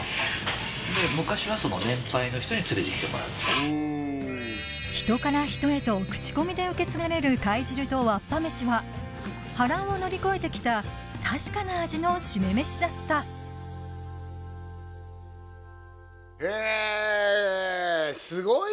へえ人から人へと口コミで受け継がれる貝汁とわっぱ飯は波乱を乗り越えてきた確かな味の〆めしだったえ！